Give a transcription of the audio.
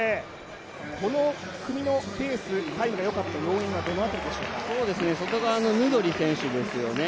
この組のペース、タイムがよかった要因はどの辺りですかね。